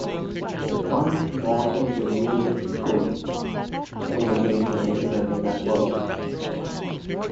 The Fund morphed into New Visions Schools and is engaged in implementing that work.